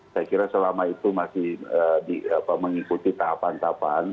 saya kira selama itu masih mengikuti tahapan tahapan